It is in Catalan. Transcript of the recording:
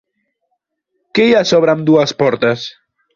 Què hi ha sobre ambdues portes?